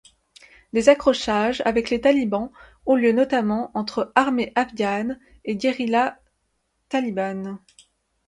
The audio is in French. Des accrochages avec les Talibans ont lieu notamment entre armée afghane et guérilla talibane.